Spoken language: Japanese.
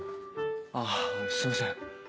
あっすいません。